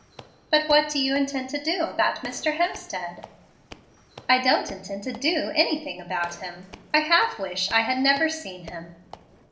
"But what do you intend to do about Mr. Hemstead." "I don't intend to do anything about him. I half wish I had never seen him."